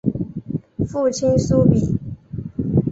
父亲苏玭。